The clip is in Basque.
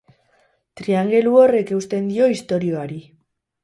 Triangelu horrek eusten dio istorioari.